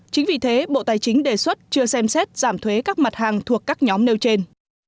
chính vì thế bộ tài chính đề xuất chưa xem xét giảm thuế các mặt hàng thuộc các nhóm nêu trên